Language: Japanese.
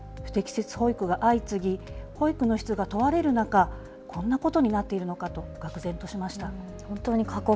不適切保育が相次ぎ、保育の質が問われる中、こんなことになっているのかと愕然としましたね。